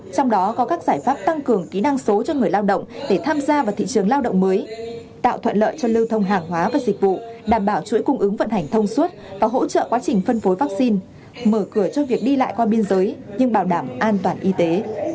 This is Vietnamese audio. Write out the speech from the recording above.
trong đó có các giải pháp tăng cường kỹ năng số cho người lao động để tham gia vào thị trường lao động mới tạo thuận lợi cho lưu thông hàng hóa và dịch vụ đảm bảo chuỗi cung ứng vận hành thông suốt và hỗ trợ quá trình phân phối vaccine mở cửa cho việc đi lại qua biên giới nhưng bảo đảm an toàn y tế